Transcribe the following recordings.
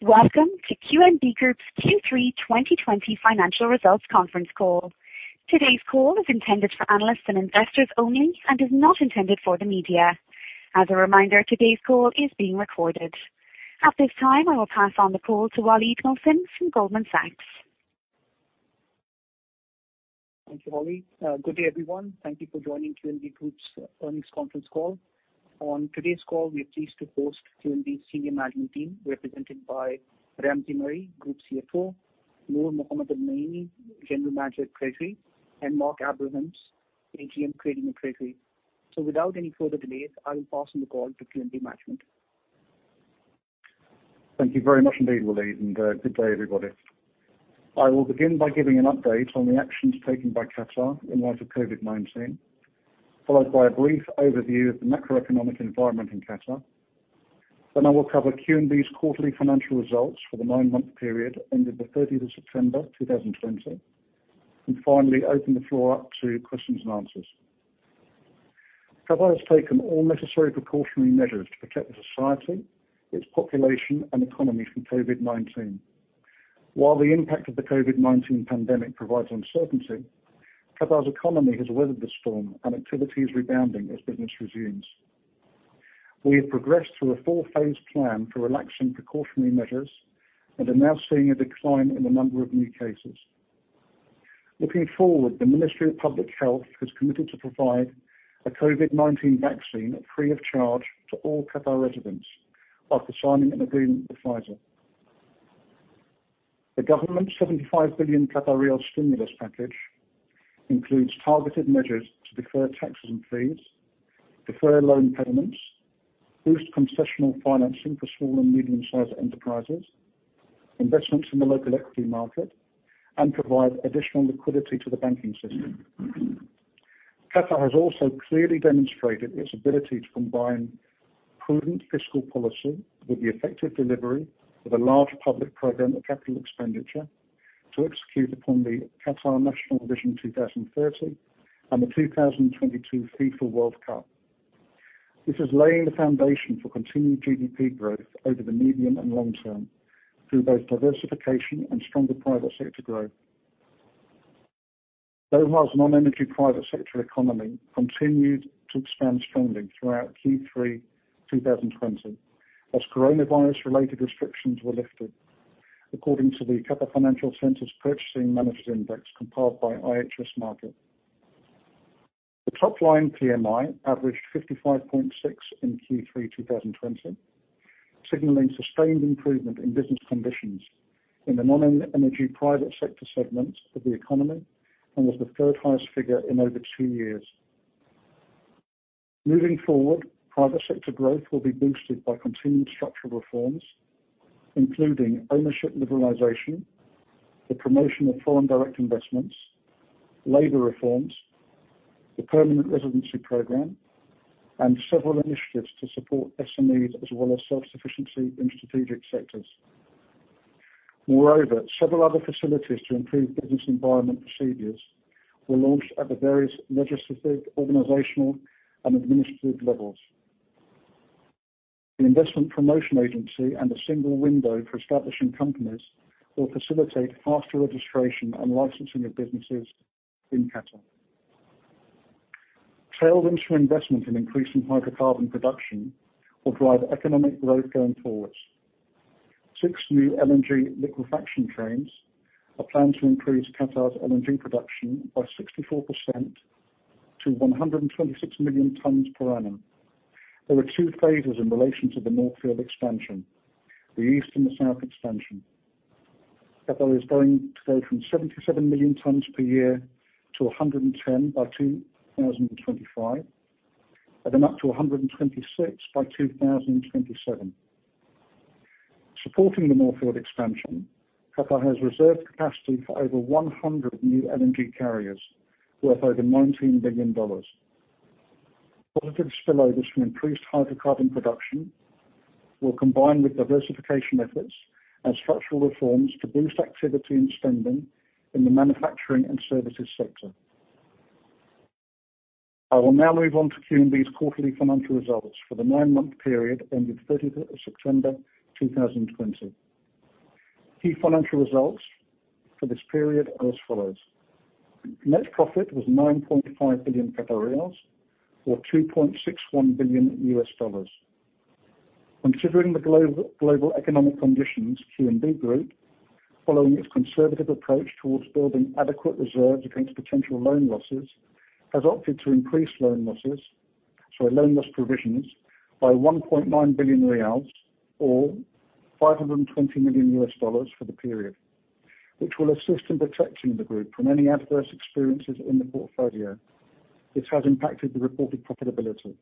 Welcome to QNB Group's Q3 2020 financial results conference call. Today's call is intended for analysts and investors only and is not intended for the media. As a reminder, today's call is being recorded. At this time, I will pass on the call to Waleed Mosen from Goldman Sachs. Thank you, Holly. Good day, everyone. Thank you for joining QNB Group's earnings conference call. On today's call, we are pleased to host QNB senior management team represented by Ramzi Mari, Group CFO, Noor Mohammed Al-Naimi, General Manager at Treasury, and Mark Abrahams, AGM, Treasury. Without any further delays, I will pass on the call to QNB management. Thank you very much indeed, Waleed, and good day, everybody. I will begin by giving an update on the actions taken by Qatar in light of COVID-19, followed by a brief overview of the macroeconomic environment in Qatar. I will cover QNB's quarterly financial results for the nine-month period ending the 30th of September 2020, and finally open the floor up to questions and answers. Qatar has taken all necessary precautionary measures to protect the society, its population, and economy from COVID-19. While the impact of the COVID-19 pandemic provides uncertainty, Qatar's economy has weathered the storm, and activity is rebounding as business resumes. We have progressed through a four-phase plan for relaxing precautionary measures and are now seeing a decline in the number of new cases. Looking forward, the Ministry of Public Health has committed to provide a COVID-19 vaccine free of charge to all Qatar residents after signing an agreement with Pfizer. The government's 75 billion stimulus package includes targeted measures to defer taxes and fees, defer loan payments, boost concessional financing for small and medium-sized enterprises, investments in the local equity market, and provide additional liquidity to the banking system. Qatar has also clearly demonstrated its ability to combine prudent fiscal policy with the effective delivery of a large public program of capital expenditure to execute upon the Qatar National Vision 2030 and the 2022 FIFA World Cup. This is laying the foundation for continued GDP growth over the medium and long term through both diversification and stronger private sector growth. Doha's non-energy private sector economy continued to expand strongly throughout Q3 2020 as coronavirus-related restrictions were lifted, according to the Qatar Financial Centre's Purchasing Managers' Index, compiled by IHS Markit. The top line PMI averaged 55.6 in Q3 2020, signaling sustained improvement in business conditions in the non-energy private sector segment of the economy and was the third-highest figure in over two years. Moving forward, private sector growth will be boosted by continued structural reforms, including ownership liberalization, the promotion of foreign direct investments, labor reforms, the permanent residency program, and several initiatives to support SMEs as well as self-sufficiency in strategic sectors. Moreover, several other facilities to improve business environment procedures were launched at the various legislative, organizational, and administrative levels. The investment promotion agency and a single window for establishing companies will facilitate faster registration and licensing of businesses in Qatar. Tailwinds from investment in increasing hydrocarbon production will drive economic growth going forwards. Six new LNG liquefaction trains are planned to increase Qatar's LNG production by 64% to 126 million tons per annum. There are two phases in relation to the North Field expansion, the East and the South expansion. Qatar is going to go from 77 million tons per year to 110 by 2025, then up to 126 by 2027. Supporting the North Field expansion, Qatar has reserved capacity for over 100 new LNG carriers worth over $19 billion. Positive spillovers from increased hydrocarbon production will combine with diversification efforts and structural reforms to boost activity and spending in the manufacturing and services sector. I will now move on to QNB's quarterly financial results for the nine-month period ending 30th of September 2020. Key financial results for this period are as follows. Net profit was 9.5 billion or $2.61 billion. Considering the global economic conditions, QNB Group, following its conservative approach towards building adequate reserves against potential loan losses, has opted to increase loan loss provisions by 1.9 billion riyals or $520 million for the period, which will assist in protecting the group from any adverse experiences in the portfolio. This has impacted the reported profitability.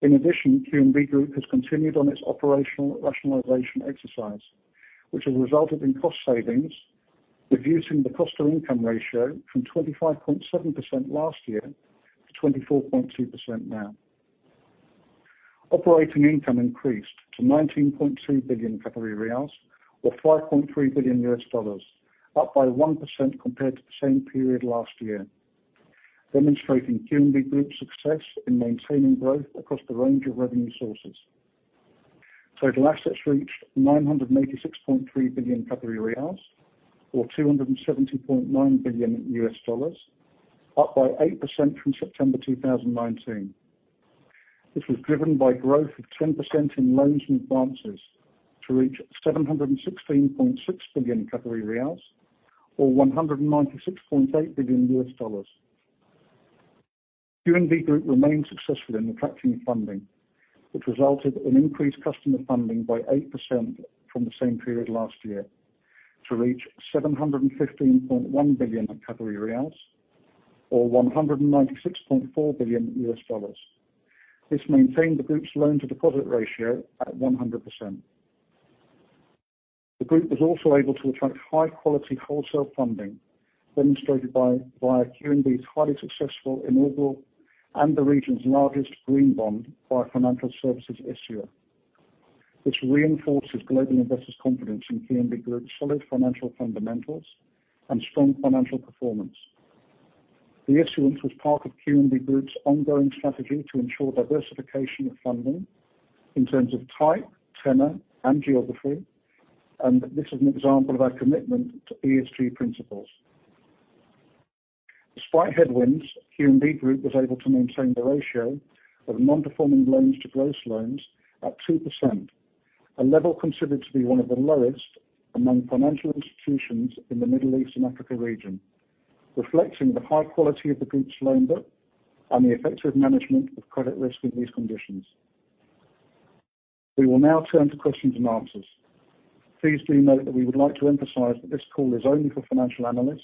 In addition, QNB Group has continued on its operational rationalization exercise, which has resulted in cost savings, reducing the cost to income ratio from 25.7% last year to 24.2% now. Operating income increased to 19.2 billion Qatari riyals or 5.3 billion US dollars, up by 1% compared to the same period last year, demonstrating QNB Group's success in maintaining growth across the range of revenue sources. Total assets reached 986.3 billion riyals or 270.9 billion US dollars, up by 8% from September 2019. This was driven by growth of 10% in loans and advances to reach 716.6 billion Qatari riyals or 196.8 billion US dollars. QNB Group remained successful in attracting funding, which resulted in increased customer funding by 8% from the same period last year to reach 715.1 billion Qatari riyals or 196.4 billion US dollars. This maintained the group's loan-to-deposit ratio at 100%. The group was also able to attract high-quality wholesale funding, demonstrated by QNB's highly successful inaugural and the region's largest green bond by a financial services issuer. This reinforces global investors' confidence in QNB Group's solid financial fundamentals and strong financial performance. The issuance was part of QNB Group's ongoing strategy to ensure diversification of funding in terms of type, tenure, and geography. This is an example of our commitment to ESG principles. Despite headwinds, QNB Group was able to maintain the ratio of non-performing loans to gross loans at 2%, a level considered to be one of the lowest among financial institutions in the Middle East and Africa region, reflecting the high quality of the group's loan book and the effective management of credit risk in these conditions. We will now turn to questions and answers. Please do note that we would like to emphasize that this call is only for financial analysts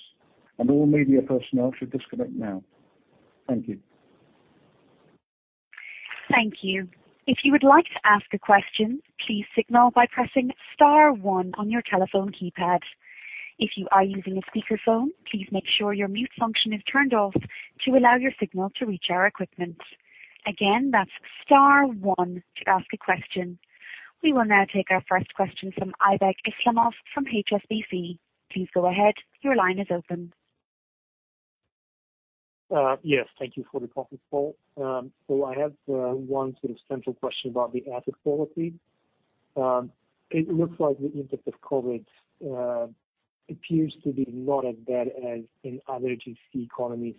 and all media personnel should disconnect now. Thank you. Thank you. If you would like to ask a question, please signal by pressing *1 on your telephone keypad. If you are using a speakerphone, please make sure your mute function is turned off to allow your signal to reach our equipment. Again, that's *1 to ask a question. We will now take our first question from Aybek Islamov from HSBC. Please go ahead. Your line is open. Yes, thank you for the call, Paul. I have one sort of central question about the asset quality. It looks like the impact of COVID appears to be not as bad as in other GCC economies,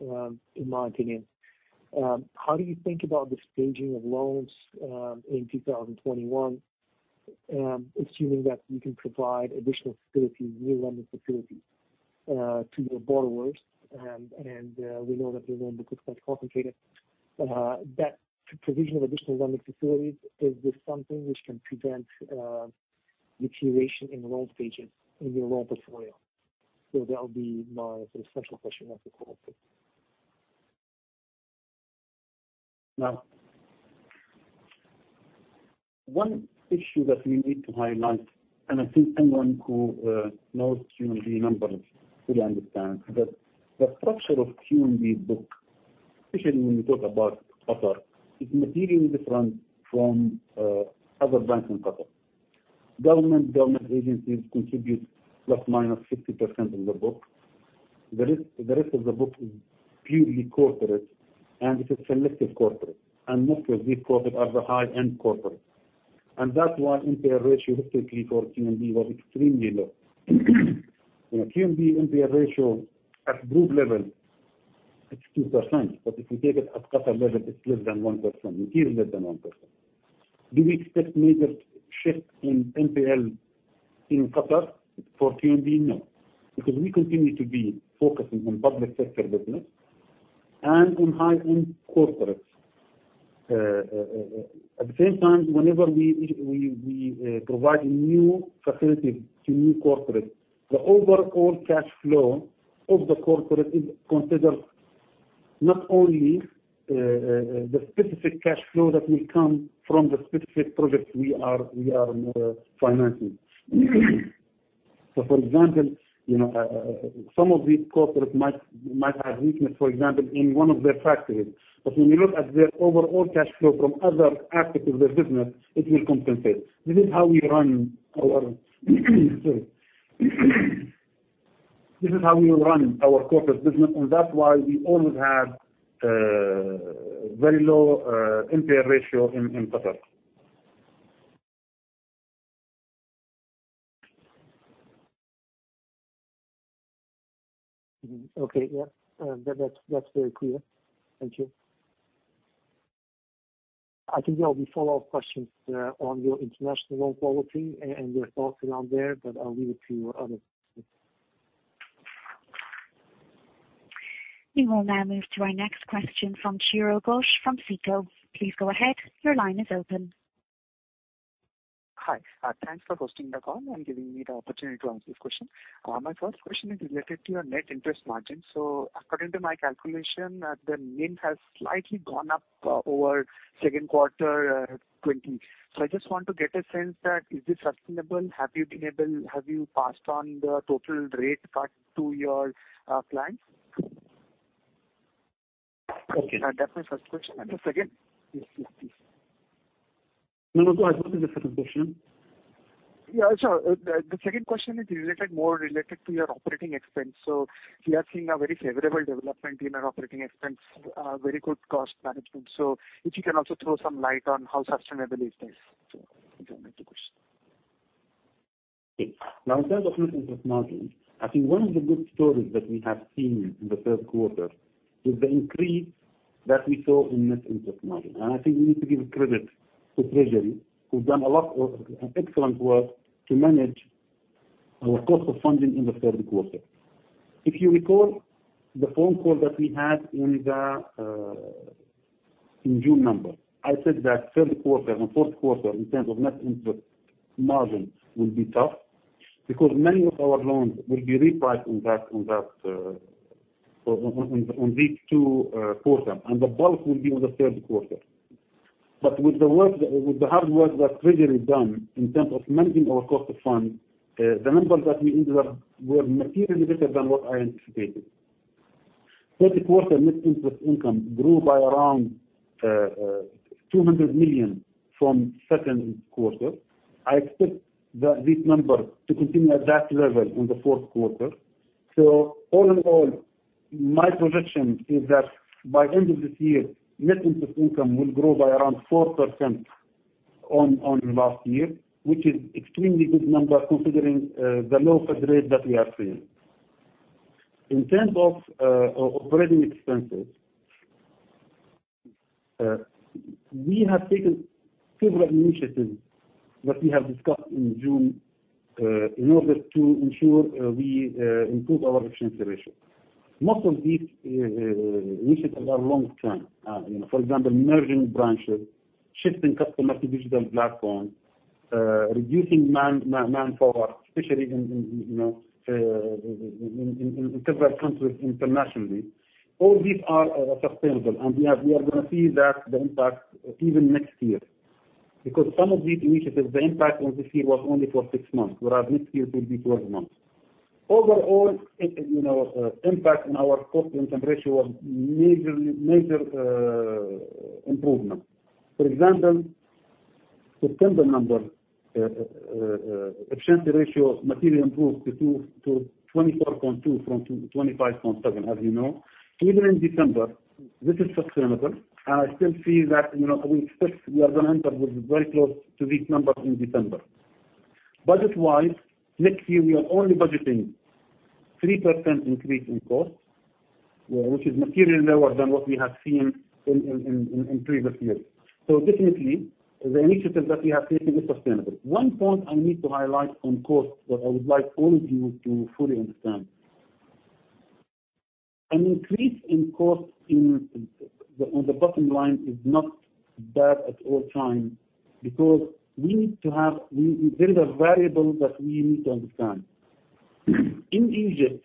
in my opinion. How do you think about the staging of loans in 2021, assuming that you can provide additional facilities, new lending facilities, to your borrowers, and we know that your loan book is quite complicated. That provision of additional lending facilities, is this something which can prevent deterioration in loan stages in your loan portfolio? That'll be my sort of central question of the call. One issue that we need to highlight, and I think anyone who knows QNB numbers will understand, that the structure of QNB book, especially when we talk about Qatar, is materially different from other banks in Qatar. Government agencies contribute plus or minus 50% in the book. The rest of the book is purely corporate, and it is selective corporate. Most of these corporate are the high-end corporate. That's why NPL ratio historically for QNB was extremely low. QNB NPL ratio at group level, it's 2%, but if you take it at Qatar level, it's less than 1%, it is less than 1%. Do we expect major shift in NPL in Qatar for QNB? No, because we continue to be focusing on public sector business and on high-end corporates. At the same time, whenever we provide a new facility to new corporate, the overall cash flow of the corporate is considered not only the specific cash flow that will come from the specific projects we are financing. For example, some of these corporates might have weakness, for example, in one of their factories. When you look at their overall cash flow from other aspects of their business, it will compensate. This is how we run our corporate business, and that's why we always have very low NPL ratio in Qatar. Okay. Yeah. That's very clear. Thank you. I think there'll be follow-up questions on your international loan quality and your thoughts around there, but I'll leave it to others. We will now move to our next question from Chiradeep Ghosh from SICO. Please go ahead. Your line is open. Hi. Thanks for hosting the call and giving me the opportunity to ask this question. My first question is related to your net interest margin. According to my calculation, the NIM has slightly gone up over second quarter 2020. I just want to get a sense that, is this sustainable? Have you passed on the total rate cut to your clients? Okay. That's my first question, and the second is- No, go ahead with the second question. Yeah, sure. The second question is more related to your operating expense. We are seeing a very favorable development in your operating expense, very good cost management. If you can also throw some light on how sustainable it is. Those are my two questions. Okay. Now, in terms of net interest margin, I think one of the good stories that we have seen in the third quarter is the increase that we saw in net interest margin. I think we need to give credit to Treasury, who've done a lot of excellent work to manage our cost of funding in the third quarter. If you recall the phone call that we had in June number, I said that third quarter and fourth quarter in terms of net interest margin will be tough because many of our loans will be repriced on these two quarters, and the bulk will be on the third quarter. With the hard work that Treasury has done in terms of managing our cost of funds, the numbers that we ended up were materially better than what I anticipated. Third quarter net interest income grew by around 200 million from second quarter. I expect this number to continue at that level in the fourth quarter. All in all, my projection is that by end of this year, net interest income will grow by around 4% on last year, which is extremely good number considering the low Fed rate that we are seeing. In terms of operating expenses, we have taken several initiatives that we have discussed in June, in order to ensure we improve our expense ratio. Most of these initiatives are long-term. For example, merging branches, shifting customers to digital platforms, reducing manpower, especially in several countries internationally. All these are sustainable, and we are going to see the impact even next year. Because some of these initiatives, the impact on this year was only for six months, whereas next year it will be 12 months. Overall, impact on our cost income ratio was major improvement. For example, September number, expense ratio materially improved to 24.2% from 25.7% as you know. Even in December, this is sustainable, and I still see that we expect we are going to enter with very close to this number in December. Budget wise, next year, we are only budgeting 3% increase in cost, which is materially lower than what we have seen in previous years. Definitely, the initiatives that we are taking is sustainable. One point I need to highlight on cost, that I would like all of you to fully understand. In Egypt,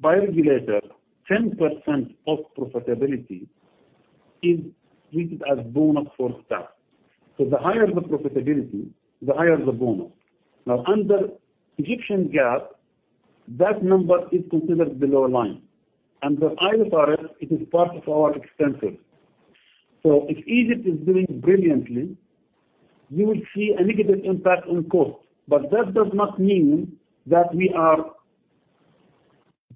by regulator, 10% of profitability is treated as bonus for staff. The higher the profitability, the higher the bonus. Under Egyptian GAAP, that number is considered below line. Under IFRS, it is part of our expenses. If Egypt is doing brilliantly, you will see a negative impact on costs. That does not mean that we are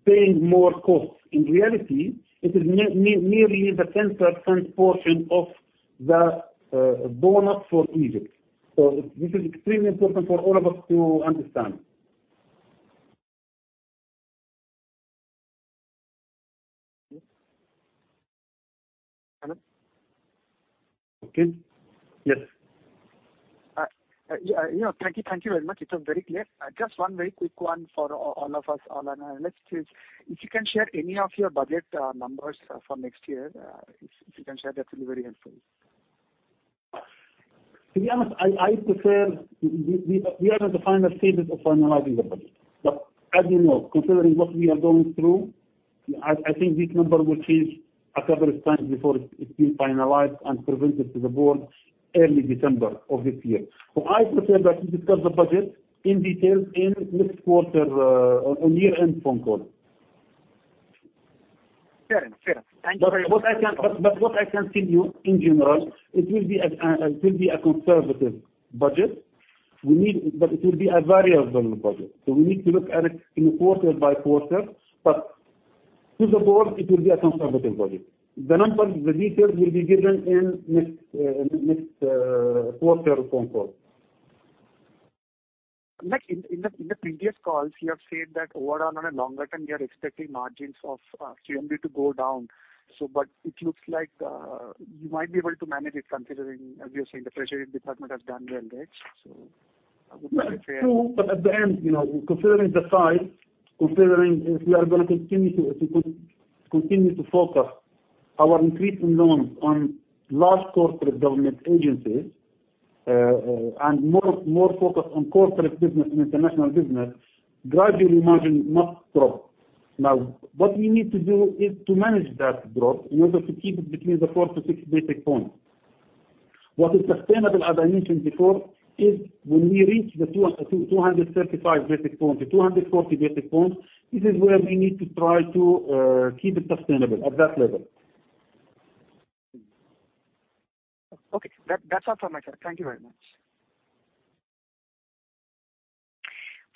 paying more costs. In reality, it is merely the 10% portion of the bonus for Egypt. This is extremely important for all of us to understand. Hello? Okay. Yes. Thank you very much. It was very clear. Just one very quick one for all of us analysts is, if you can share any of your budget numbers for next year. If you can share, that'll be very helpful. To be honest, I prefer. We are at the final stages of finalizing the budget. As you know, considering what we are going through, I think this number will change a couple of times before it's been finalized and presented to the board early December of this year. I prefer that we discuss the budget in detail in next quarter on year-end phone call. Fair. Thank you very much. What I can tell you, in general, it will be a conservative budget. It will be a variable budget, we need to look at it in quarter by quarter. To the board, it will be a conservative budget. The numbers, the details will be given in next quarter phone call. In the previous calls, you have said that overall on a longer term, we are expecting margins of CMD to go down. It looks like you might be able to manage it considering, as you're saying, the treasury department has done well there. I would like to hear. Yeah, true. At the end, considering the size, considering if we are going to continue to focus our increase in loans on large corporate government agencies, and more focus on corporate business and international business, gradually margin must drop. What we need to do is to manage that drop in order to keep it between the four to six basis points. What is sustainable, as I mentioned before, is when we reach the 235 basis points to 240 basis points. This is where we need to try to keep it sustainable at that level. Okay. That's all from my side. Thank you very much.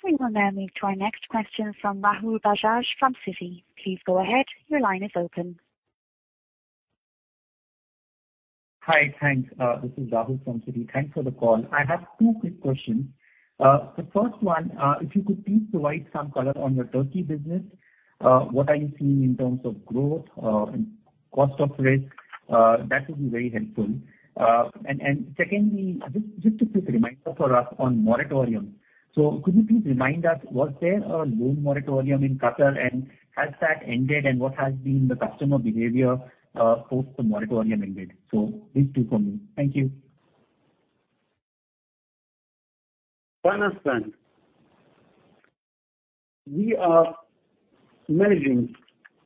We will now move to our next question from Rahul Bajaj from Citi. Please go ahead. Your line is open. Hi. Thanks. This is Rahul from Citi. Thanks for the call. I have two quick questions. The first one, if you could please provide some color on your Turkey business. What are you seeing in terms of growth and cost of risk? That would be very helpful. Secondly, just a quick reminder for us on moratorium. Could you please remind us, was there a loan moratorium in Qatar, and has that ended and what has been the customer behavior post the moratorium ended? These two for me. Thank you. Finansbank. We are managing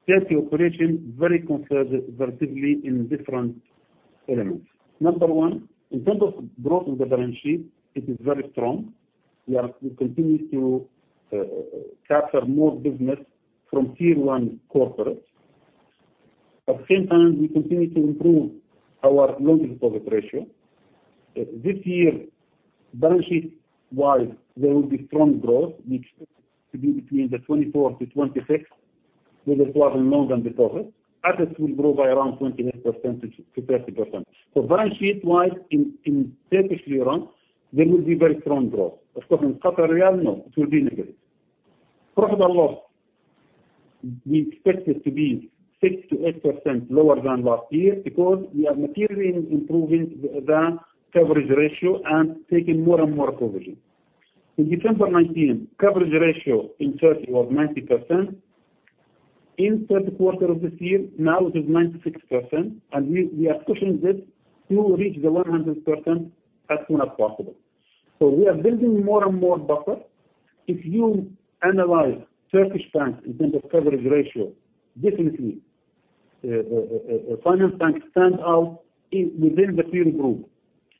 Turkey operations very conservatively in different elements. Number 1, in terms of growth in the balance sheet, it is very strong. We continue to capture more business from tier 1 corporates. At the same time, we continue to improve our loan-to-deposit ratio. This year, balance sheet-wise, there will be strong growth, we expect to be between the 24%-26% with a 12 loan-to-deposit. Assets will grow by around 28%-30%. Balance sheet-wise, in Turkish lira, there will be very strong growth. Of course, in Qatar riyal, no, it will be negative. Profit and loss, we expect it to be 6%-8% lower than last year because we are materially improving the coverage ratio and taking more and more coverage. In December 2019, coverage ratio in Turkey was 90%. In third quarter of this year, now it is 96%, and we are pushing this to reach the 100% as soon as possible. We are building more and more buffer. If you analyze Turkish banks in terms of coverage ratio, definitely, Finansbank stands out within the peer group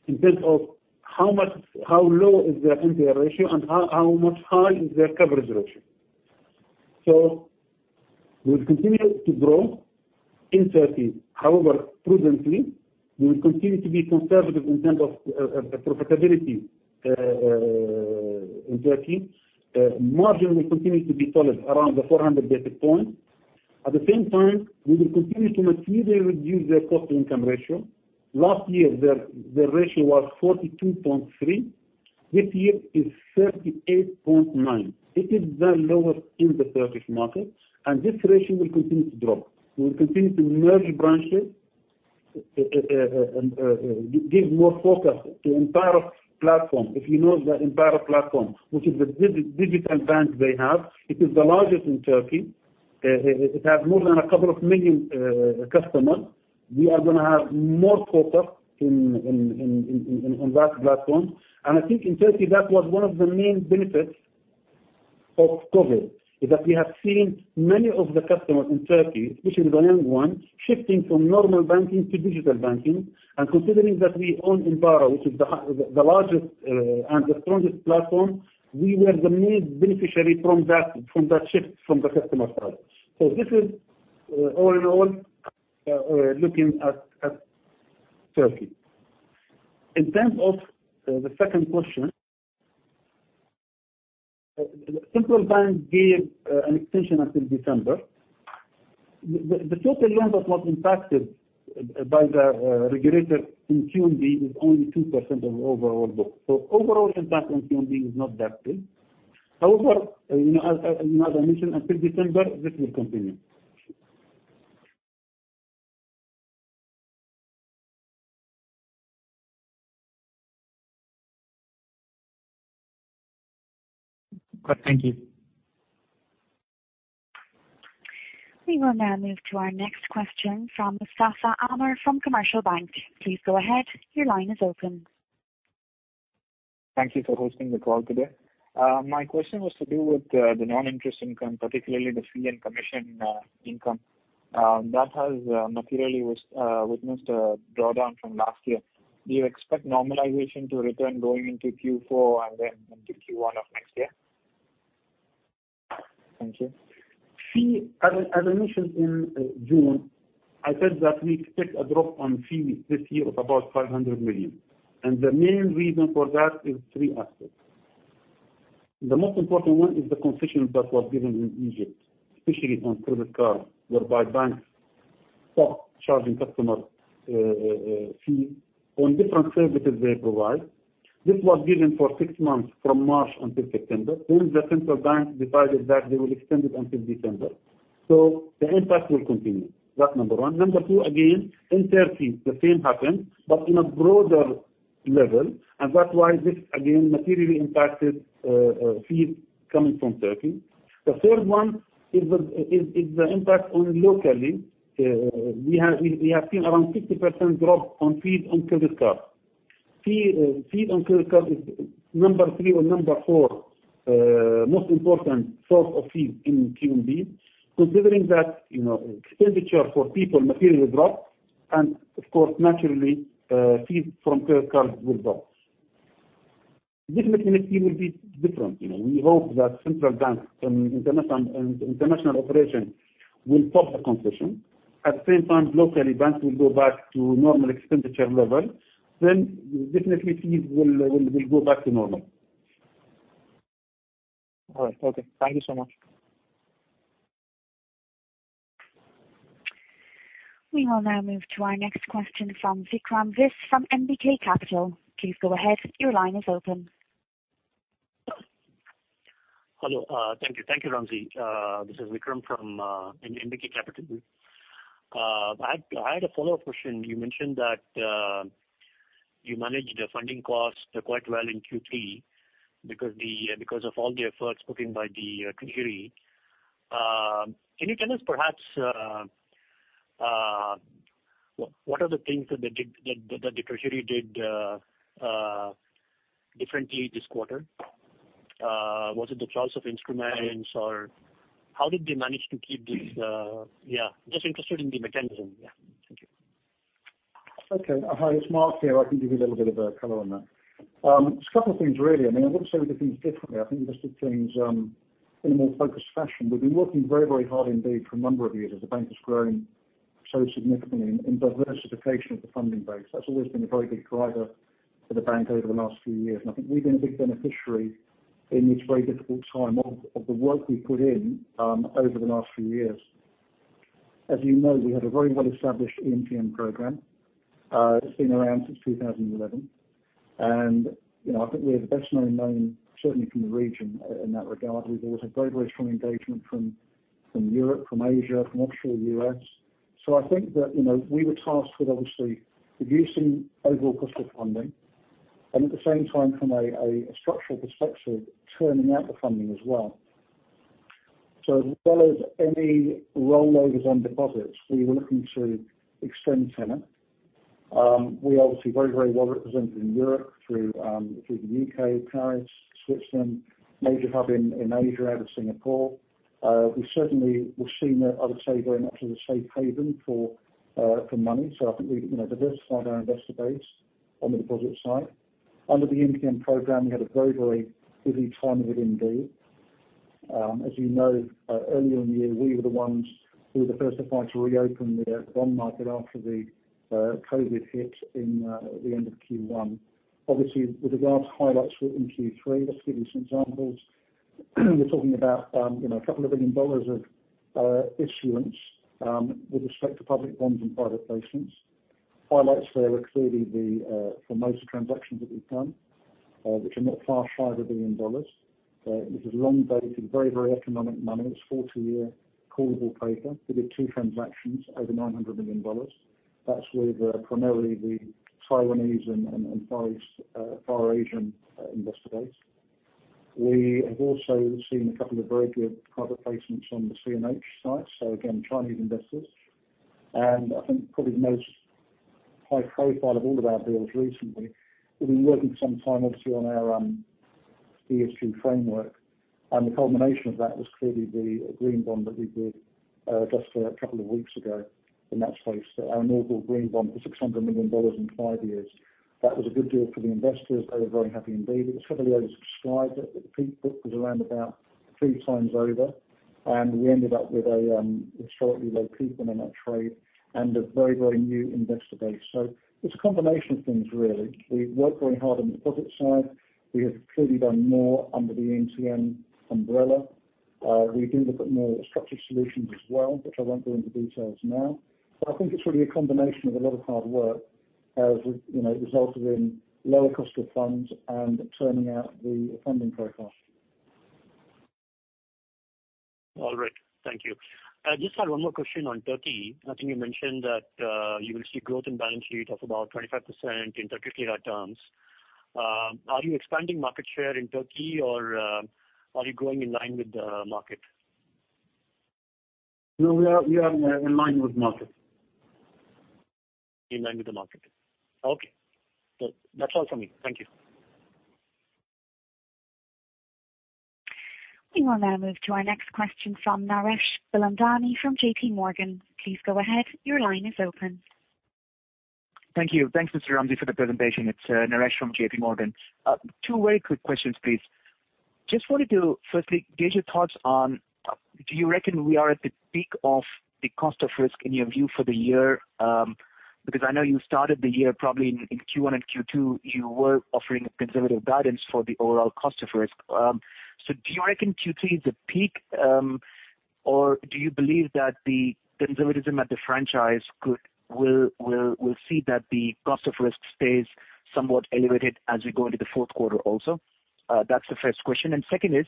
in terms of how low is their NPL ratio and how much high is their coverage ratio. We will continue to grow in Turkey. However, prudently, we will continue to be conservative in terms of profitability in Turkey. Margin will continue to be solid around the 400 basis points. At the same time, we will continue to materially reduce the cost-to-income ratio. Last year, the ratio was 42.3. This year is 38.9. It is the lowest in the Turkish market, and this ratio will continue to drop. We will continue to merge branches, and give more focus to Enpara platform. If you know the Enpara platform, which is the digital bank they have, it is the largest in Turkey. It has more than a couple of million customers. We are going to have more focus on that platform. I think in Turkey, that was one of the main benefits of COVID-19, is that we have seen many of the customers in Turkey, especially the young ones, shifting from normal banking to digital banking. Considering that we own Enpara, which is the largest and the strongest platform, we were the main beneficiary from that shift from the customer side. This is all in all, looking at Turkey. In terms of the second question, Qatar Central Bank gave an extension until December. The total loan that was impacted by the regulator in QNB is only 2% of overall book. Overall impact on QNB is not that big. However, as I mentioned, until December, this will continue. Thank you. We will now move to our next question from Safa Amer from Commercial Bank. Please go ahead. Your line is open. Thank you for hosting the call today. My question was to do with the non-interest income, particularly the fee and commission income. That has materially witnessed a drawdown from last year. Do you expect normalization to return going into Q4 and then into Q1 of next year? Thank you. Fee, as I mentioned in June, I said that we expect a drop on fee this year of about 500 million. The main reason for that is three aspects. The most important one is the concession that was given in Egypt, especially on credit cards, whereby banks stopped charging customers fee on different services they provide. This was given for 6 months from March until September. The Central Bank decided that they will extend it until December. The impact will continue. That is number 1. Number 2, again, in Turkey, the same happened, but in a broader level, and that is why this again materially impacted fees coming from Turkey. The third one is the impact on locally. We have seen around 60% drop on fees on credit cards. Fee on credit card is number 3 or number 4 most important source of fee in QNB. Considering that expenditure for people materially dropped and of course, naturally, fees from credit cards will drop. Definitely will be different. We hope that central banks and international operations will top the concession. At the same time, locally, banks will go back to normal expenditure levels, definitely fees will go back to normal. All right. Okay. Thank you so much. We will now move to our next question from Vikram Vis from NBK Capital. Please go ahead. Your line is open. Hello. Thank you, Ramzi. This is Vikram from NBK Capital. I had a follow-up question. You mentioned that you managed the funding cost quite well in Q3 because of all the efforts put in by the treasury. Can you tell us perhaps what are the things that the treasury did differently this quarter? Was it the choice of instruments or how did they manage to keep this? Just interested in the mechanism. Thank you. Okay. Hi, it's Mark here. I can give you a little bit of color on that. Just a couple things, really. I wouldn't say we did things differently. I think we just did things in a more focused fashion. We've been working very hard indeed for a number of years as the bank has grown so significantly in diversification of the funding base. That's always been a very big driver for the bank over the last few years, and I think we've been a big beneficiary in this very difficult time of the work we've put in over the last few years. As you know, we had a very well-established MTN program. It's been around since 2011. I think we are the best-known name certainly from the region in that regard. We've always had very strong engagement from Europe, from Asia, from offshore U.S. I think that we were tasked with obviously reducing overall cost of funding, and at the same time, from a structural perspective, turning out the funding as well. As well as any rollovers on deposits, we were looking to extend tenor. We are obviously very well represented in Europe through the U.K., Paris, Switzerland, major hub in Asia out of Singapore. We certainly were seen as, I would say, very much as a safe haven for money. I think we diversified our investor base on the deposit side. Under the MTN program, we had a very busy time of it indeed. As you know, earlier in the year, we were the first to fight to reopen the bond market after the COVID hit in the end of Q1. Obviously, with regard to highlights in Q3, let's give you some examples. We're talking about a couple of billion QAR of issuance with respect to public bonds and private placements. Highlights there are clearly for most of the transactions that we've done which are now past QAR 5 billion. This is long-dated, very economic money. It's 40-year callable paper. We did two transactions over QAR 900 million. That's with primarily the Taiwanese and Far Asian investor base. We have also seen a couple of very good private placements on the CNH side, so again, Chinese investors. I think probably the most high profile of all of our deals recently, we've been working for some time, obviously, on our ESG framework, and the culmination of that was clearly the green bond that we did just a couple of weeks ago in that space. Our inaugural green bond was QAR 600 million in five years. That was a good deal for the investors. They were very happy indeed. It was heavily oversubscribed at the peak. It was around about three times over, and we ended up with a historically low peak on that trade and a very new investor base. It's a combination of things, really. We've worked very hard on the deposit side. We have clearly done more under the MTN umbrella. We do look at more structured solutions as well, which I won't go into details now. I think it's really a combination of a lot of hard work that has resulted in lower cost of funds and turning out the funding profile. All right. Thank you. I just had one more question on Turkey. I think you mentioned that you will see growth in balance sheet of about 25% in Turkish lira terms. Are you expanding market share in Turkey, or are you growing in line with the market? No, we are in line with market. In line with the market. Okay. That's all from me. Thank you. We will now move to our next question from Naresh Bilandani from JP Morgan. Please go ahead. Your line is open. Thank you. Thanks, Mr. Ramzi, for the presentation. It is Naresh from JP Morgan. Two very quick questions, please. Just wanted to firstly gauge your thoughts on do you reckon we are at the peak of the cost of risk in your view for the year? I know you started the year probably in Q1 and Q2, you were offering conservative guidance for the overall cost of risk. Do you reckon Q3 is the peak, or do you believe that the conservatism at the franchise will see that the cost of risk stays somewhat elevated as we go into the fourth quarter also? That is the first question. Second is,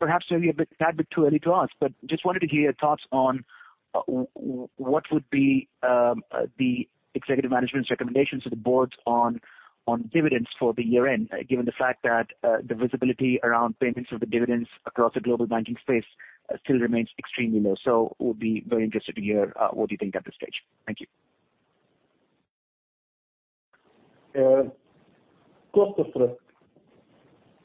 perhaps maybe a tad bit too early to ask, but just wanted to hear your thoughts on what would be the executive management's recommendations to the board on dividends for the year-end, given the fact that the visibility around payments of the dividends across the global banking space still remains extremely low. We will be very interested to hear what you think at this stage. Thank you. Cost of risk.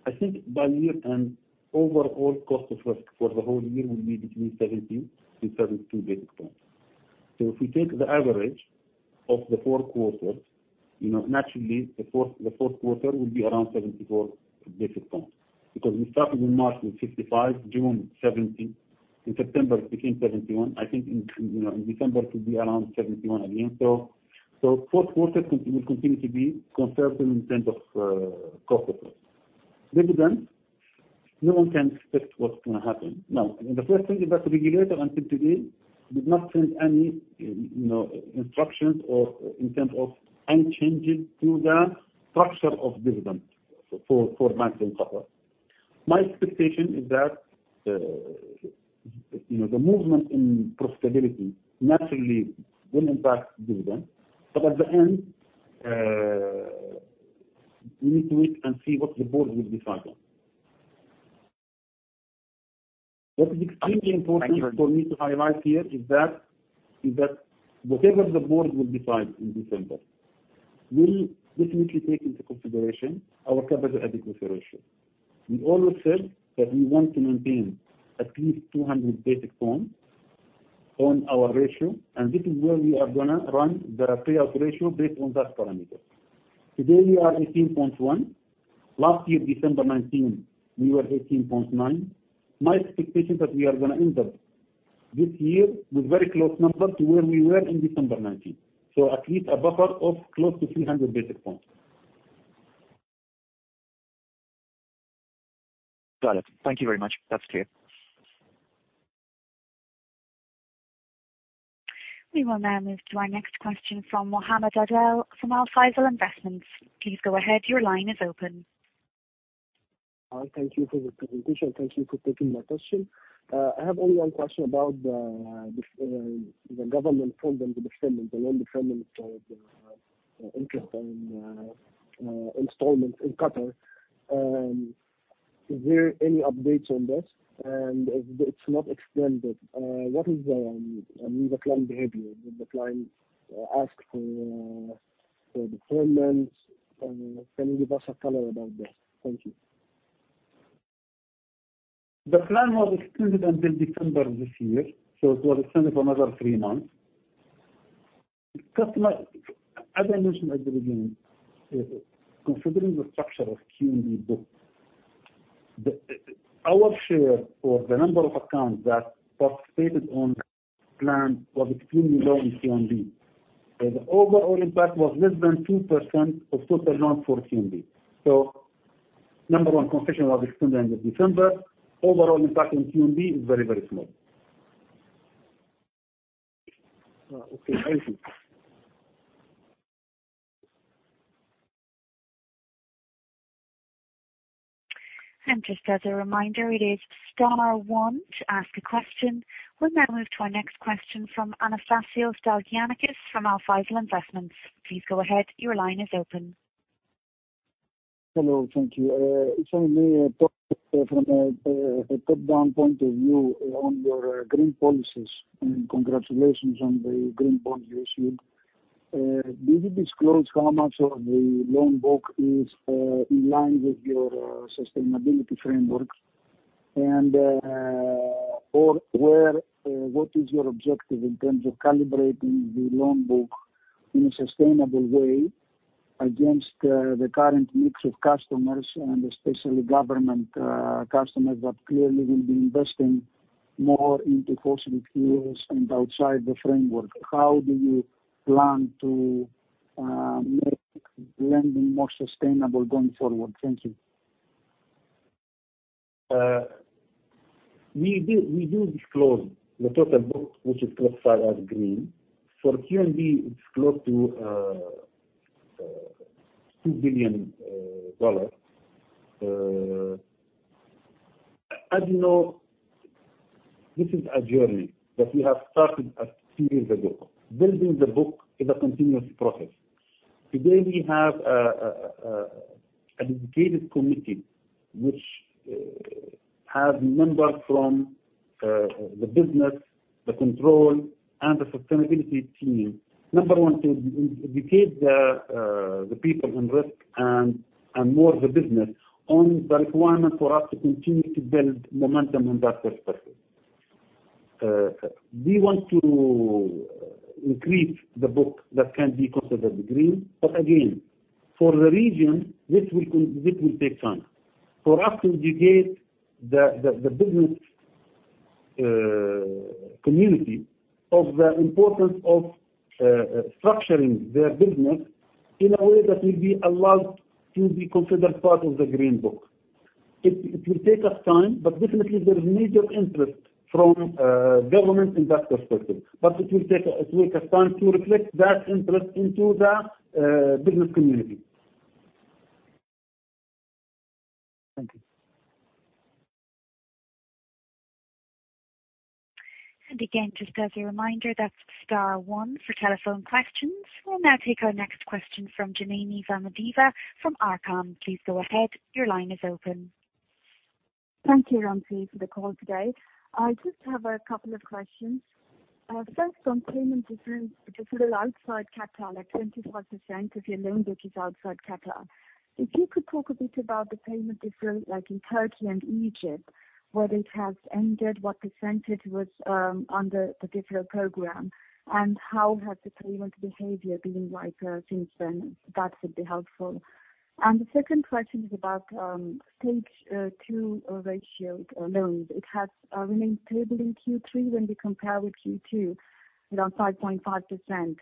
I think by year-end, overall cost of risk for the whole year will be between 17 and 17.2 basis points. If we take the average of the four quarters, naturally, the fourth quarter will be around 74 basis points. We started in March with 55, June, 17. In September, it became 71. I think in December it will be around 71 again. Fourth quarter will continue to be conservative in terms of cost of risk. Dividends, no one can expect what is going to happen. The first thing is that the regulator, until today, did not send any instructions in terms of any changes to the structure of dividends for banks in Qatar. My expectation is that, the movement in profitability naturally will impact dividend. At the end, we need to wait and see what the board will decide on. What is extremely important for me to highlight here is that, whatever the board will decide in December will definitely take into consideration our capital adequacy ratio. We always said that we want to maintain at least 200 basis points on our ratio, and this is where we are going to run the payout ratio based on that parameter. Today, we are 18.1. Last year, December 2019, we were 18.9. My expectation that we are going to end up this year with very close numbers to where we were in December 2019. So at least a buffer of close to 300 basis points. Got it. Thank you very much. That's clear. We will now move to our next question from Mohammed Adel from Al Faisal Investments. Please go ahead. Your line is open. Hi, thank you for the presentation. Thank you for taking my question. I have only one question about the government program, the deferment, the loan deferment of interest and installments in Qatar. Is there any updates on this? If it's not extended, what is the client behavior? Did the clients ask for deferments? Can you give us a color about this? Thank you. The plan was extended until December this year, it was extended for another 3 months. As I mentioned at the beginning, considering the structure of QNB book, our share or the number of accounts that participated on the plan was extremely low in QNB. The overall impact was less than 2% of total loans for QNB. Number 1, confirmation was extended end of December. Overall impact on QNB is very, very small. Okay, thank you. Just as a reminder, it is star 1 to ask a question. We'll now move to our next question from Anastasios Dalianis from Al Faisal Investments. Please go ahead. Your line is open. Hello. Thank you. If I may talk from a top-down point of view on your green policies, congratulations on the green bond you issued. Did you disclose how much of the loan book is in line with your sustainability framework? What is your objective in terms of calibrating the loan book in a sustainable way against the current mix of customers and especially government customers that clearly will be investing more into fossil fuels and outside the framework? How do you plan to make lending more sustainable going forward? Thank you. We do disclose the total book, which is classified as green. For QNB, it's close to QAR 2 billion. As you know, this is a journey that we have started a few years ago. Building the book is a continuous process. Today, we have a dedicated committee which has members from the business, the control, and the sustainability team. Number 1, to educate the people in risk and more of the business on the requirement for us to continue to build momentum in that perspective. We want to increase the book that can be considered green. Again, for the region, this will take time. For us to educate the business community of the importance of structuring their business in a way that will be allowed to be considered part of the green book. It will take us time, but definitely, there is major interest from government in that perspective. It will take us time to reflect that interest into the business community. Thank you. Again, just as a reminder, that's star one for telephone questions. We'll now take our next question from Janany Vamadeva from Arqaam Capital. Please go ahead. Your line is open. Thank you, Ramzi, for the call today. I just have a couple of questions. First, on payment difference, deferral outside Qatar, like 25% of your loan book is outside Qatar. If you could talk a bit about the payment difference in Turkey and Egypt, whether it has ended, what the percentage was under the deferral program, and how has the payment behavior been like since then? That would be helpful. The second question is about Stage 2 ratios loans. It has remained stable in Q3 when we compare with Q2, around 5.5%.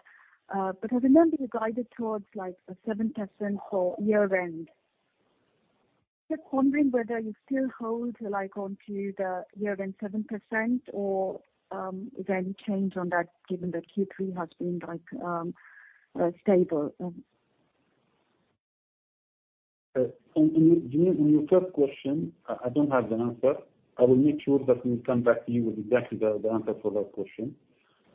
I remember you guided towards 7% for year-end. Just wondering whether you still hold onto the year-end 7%, or is there any change on that given that Q3 has been stable? Jeanne, on your first question, I don't have an answer. I will make sure that we come back to you with exactly the answer for that question.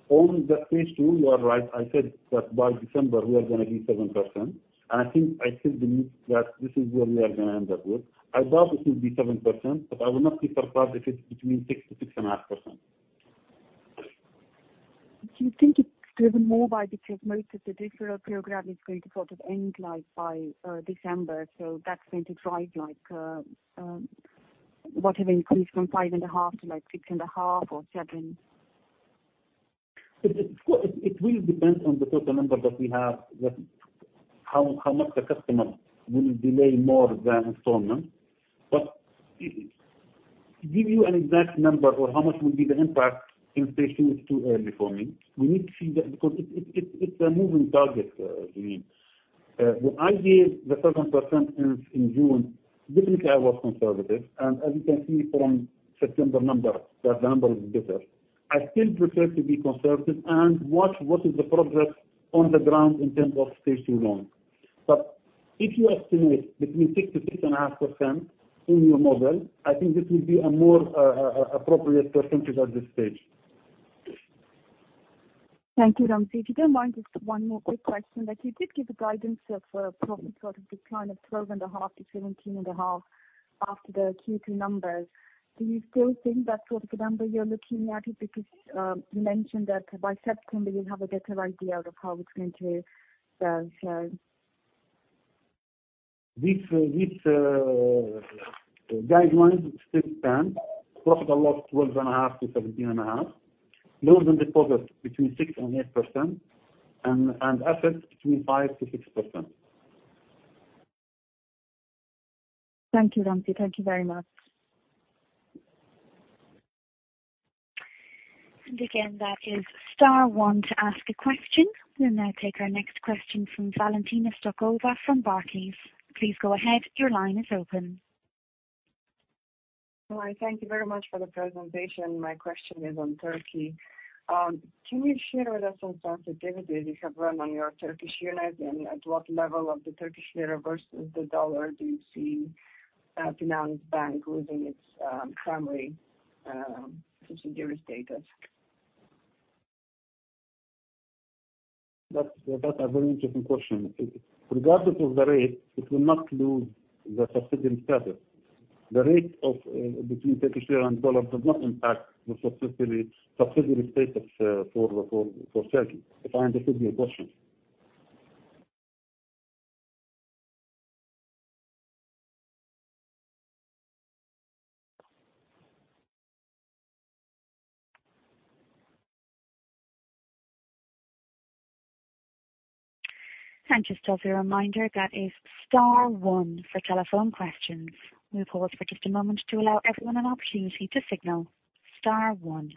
On the Stage 2, you are right. I said that by December we are going to be 7%. I still believe that this is where we are going to end up with. I doubt it will be 7%, but I will not be surprised if it's between 6%-6.5%. Do you think it's driven more by because most of the deferral program is going to sort of end by December, so that's going to drive whatever increase from 5.5%-6.5% or 7%? It will depend on the total number that we have, how much the customer will delay more the installment. To give you an exact number or how much will be the impact in Stage 2, it's too early for me. We need to see that because it's a moving target, Jeanne. When I gave the 7% in June, definitely I was conservative, and as you can see from September number, that number is better. I still prefer to be conservative and watch what is the progress on the ground in terms of Stage 2 loans. If you estimate between 6%-6.5% in your model, I think this will be a more appropriate percentage at this stage. Thank you, Ramzi. If you don't mind, just one more quick question. You did give the guidance of profit sort of decline of 12.5% to 17.5% after the Q3 numbers. Do you still think that sort of the number you're looking at it, because you mentioned that by September you'll have a better idea of how it's going to fare. This guideline still stands, profit or loss 12.5%-17.5%, loans and deposits between 6% and 8%, and assets between 5%-6%. Thank you, Ramzi. Thank you very much. Again, that is star one to ask a question. We'll now take our next question from Valentina Stoeva from Barclays. Please go ahead, your line is open. Hi. Thank you very much for the presentation. My question is on Turkey. Can you share with us some sensitivity you have run on your Turkish unit? At what level of the Turkish lira versus the USD do you see Finansbank losing its primary subsidiary status? That's a very interesting question. Regardless of the rate, it will not lose the subsidiary status. The rate between Turkish lira and USD does not impact the subsidiary status for Turkey, if I understood your question. Just as a reminder, that is star one for telephone questions. We'll pause for just a moment to allow everyone an opportunity to signal star one.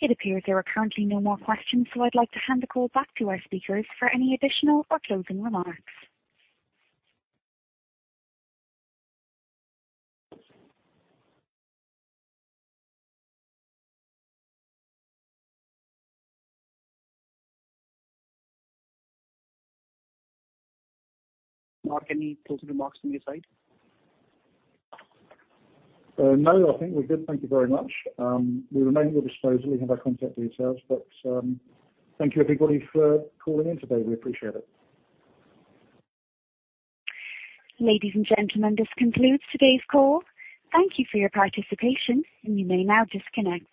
It appears there are currently no more questions, so I'd like to hand the call back to our speakers for any additional or closing remarks. Not any closing remarks from this side. No, I think we're good. Thank you very much. We remain at your disposal. You have our contact details. Thank you, everybody, for calling in today. We appreciate it. Ladies and gentlemen, this concludes today's call. Thank you for your participation, and you may now disconnect.